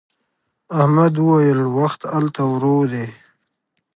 احمد وويل: وخت هلته ورو دی.